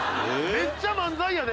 めっちゃ漫才やで！